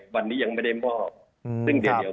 วันนี้ยังไม่ได้มอบซึ่งเดี๋ยว